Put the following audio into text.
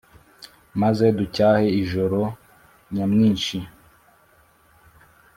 maze ducyahe ijoro nyamwinshi,